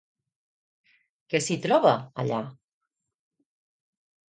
Què s'hi troba allà?